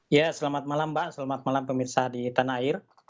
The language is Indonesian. ya selamat malam mbak selamat malam pemirsa di tanah air